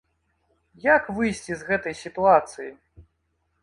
Як выйсці з гэтай сітуацыі?